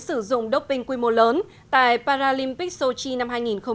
sử dụng đốc binh quy mô lớn tại paralympic sochi năm hai nghìn một mươi bốn